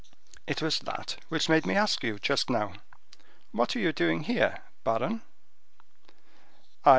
It was that which made me ask you, just now. What are you doing here, baron?"